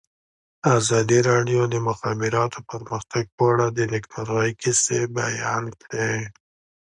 ازادي راډیو د د مخابراتو پرمختګ په اړه د نېکمرغۍ کیسې بیان کړې.